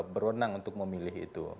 berwenang untuk memilih itu